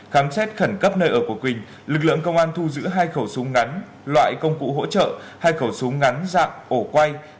khám xét khẩn cấp nơi ở của quỳnh lực lượng công an thu giữ hai khẩu súng ngắn loại công cụ hỗ trợ hai khẩu súng ngắn dạng ổ quay